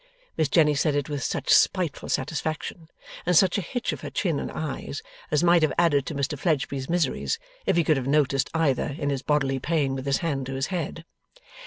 Miss Jenny said it with such spiteful satisfaction, and such a hitch of her chin and eyes as might have added to Mr Fledgeby's miseries, if he could have noticed either, in his bodily pain with his hand to his head.